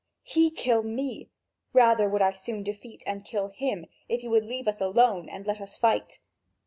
"He kill me! Rather would I soon defeat and kill him, if you would leave us alone and let us fight."